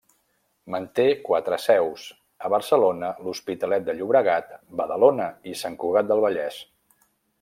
Manté quatre seus: a Barcelona, l'Hospitalet de Llobregat, Badalona i Sant Cugat del Vallès.